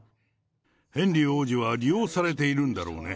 ヘンリー王子は利用されているんだろうね。